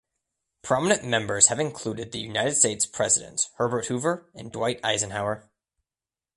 Prominent members have included the United States Presidents Herbert Hoover and Dwight Eisenhower.